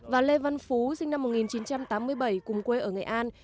và lê văn phú sinh năm một nghìn chín trăm tám mươi bảy cùng quê ở nghệ an